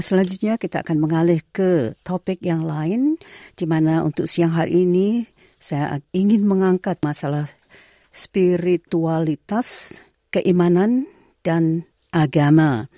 saya ingin mengangkat masalah spiritualitas keimanan dan agama